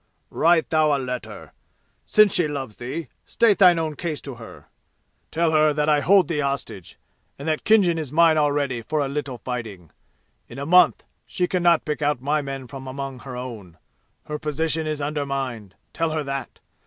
"Write thou a letter. Since she loves thee, state thine own case to her. Tell her that I hold thee hostage, and that Khinjan is mine already for a little fighting. In a month she can not pick out my men from among her own. Her position is undermined. Tell her that.